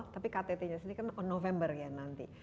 tapi ktt nya sendiri kan november ya nanti